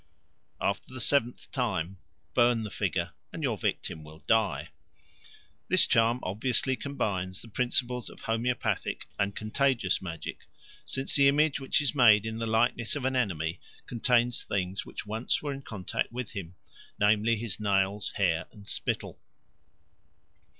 After the seventh time burn the figure, and your victim will die. This charm obviously combines the principles of homoeopathic and contagious magic; since the image which is made in the likeness of an enemy contains things which once were in contact with him, namely, his nails, hair, and spittle.